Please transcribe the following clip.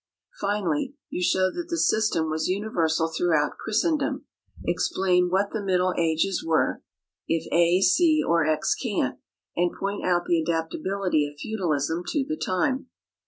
Finally you show that the system was universal throughout Christendom, explain what the middle ages were (if A, C or X can't), and point out the adaptability of feudalism to the time.